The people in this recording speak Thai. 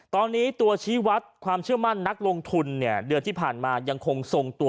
ตอนนี้ตัวชี้วัดความเชื่อมั่นนักลงทุนเนี่ยเดือนที่ผ่านมายังคงทรงตัว